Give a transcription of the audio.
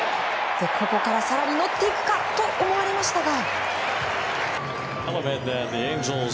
ここから更に乗っていくかと思われましたが。